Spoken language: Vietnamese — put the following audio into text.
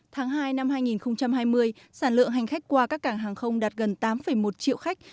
tháng hai năm hai nghìn hai mươi sản lượng hành khách qua các cảng hàng không đạt gần tám một triệu khách